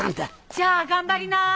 じゃあ頑張りな。